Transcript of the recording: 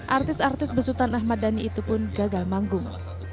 artis artis besutan ahmad dhani itu pun gagal manggung